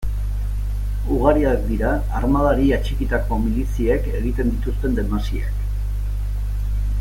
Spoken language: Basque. Ugariak dira armadari atxikitako miliziek egiten dituzten desmasiak.